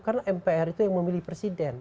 karena mpr itu yang memilih presiden